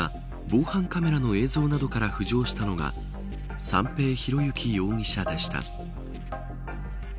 防犯カメラの映像などから浮上したのが三瓶博幸容疑者でした。